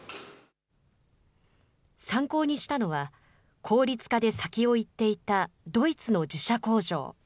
参考にしたのは、効率化で先を行っていたドイツの自社工場。